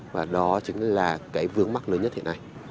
và đó chính là cái vướng mắc lớn nhất hiện nay